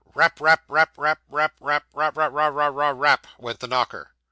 'Rap rap rap rap rap rap ra, ra, ra, ra, ra, rap!' went the knocker.